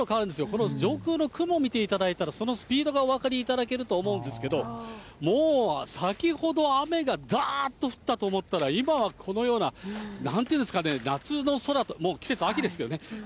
この上空の雲見ていただいたら、そのスピードがお分かりいただけると思うんですけど、もう先ほど雨がだーっと降ったと思ったら、今はこのような、なんていうんですかね、夏の空と、季節、秋ですよね。